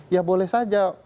ya boleh saja